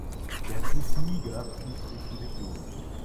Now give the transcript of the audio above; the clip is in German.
Der Fluss Niger fließt durch die Region.